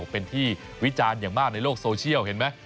เป็นที่วิจารณ์อย่างมากในโลกโซเชียลเห็นไหม